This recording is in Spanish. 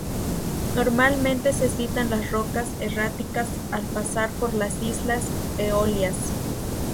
Normalmente se citan las rocas erráticas al pasar por las islas Eolias.